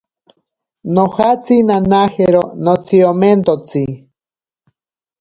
Nojatsi nanajero notsiomentotsi.